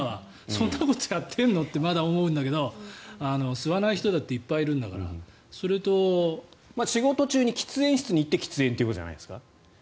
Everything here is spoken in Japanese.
そんなことやってんの？ってまだ思うんだけど吸わない人だって仕事中に喫煙室に行って喫煙ってことじゃないですか。